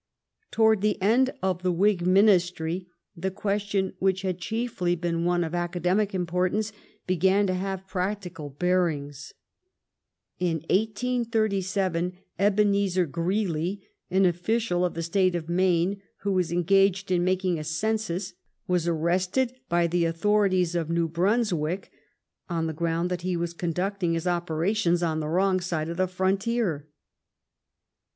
Towards the end of the Whig Ministry the question, which had chiefly been one of academic importance, began to have practical bearings. In 1887, Ebenezer Oreely, an official of the State of Maine, who was engaged in making a census, was arrested by the autho rities of New Brunswick, on the ground that he was conducting his operations on the wrong side of the frontier.